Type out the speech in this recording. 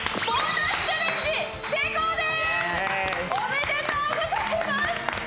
おめでとうございます。